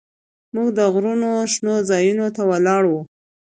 موږ د غرونو شنو ځايونو ته ولاړو.